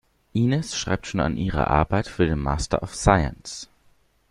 Ines schreibt schon an ihrer Arbeit für den Master of Science.